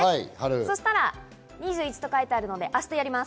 そしたら２１と書いてあるので明日やります。